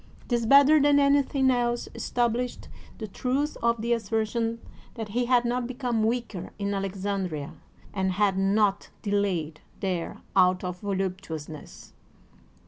This better than anything else established the truth of the assertion that he had not become weaker in Alexandria and had not delayed there out of voluptuousness.